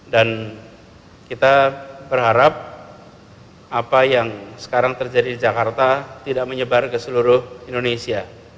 dan kita berharap apa yang sekarang terjadi di jakarta tidak menyebar ke seluruh indonesia